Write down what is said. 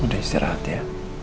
udah istirahat ya